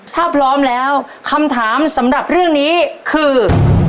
ถ้าพร้อมแล้วคำถามสำหรับเรื่องนี้คือ